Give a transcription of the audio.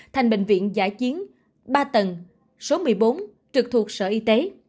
thành bệnh viện giả chiến ba tầng số một mươi bốn trực thuộc sở y tế